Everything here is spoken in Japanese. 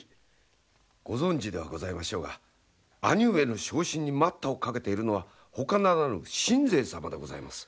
ご存じではございましょうが兄上の昇進に待ったをかけているのはほかならぬ信西様でございます。